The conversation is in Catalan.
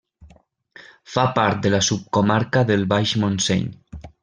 Fa part de la subcomarca del Baix Montseny.